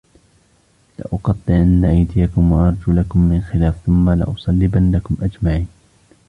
لأقطعن أيديكم وأرجلكم من خلاف ثم لأصلبنكم أجمعين